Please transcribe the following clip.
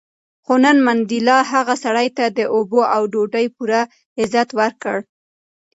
خو نن منډېلا هغه سړي ته د اوبو او ډوډۍ پوره عزت ورکړ.